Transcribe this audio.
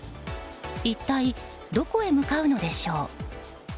一体、どこへ向かうのでしょう。